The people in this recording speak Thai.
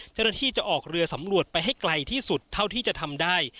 เจ้าหน้าที่จะออกเรือสำรวจไปให้ไกลที่สุดเท่าที่จะทำได้